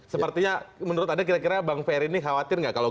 sepertinya menurut anda kira kira bank veri ini khawatir nggak kira kira